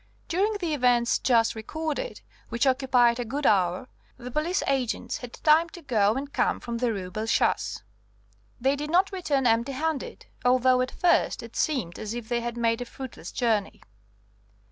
During the events just recorded, which occupied a good hour, the police agents had time to go and come from the Rue Bellechasse. They did not return empty handed, although at first it seemed as if they had made a fruitless journey.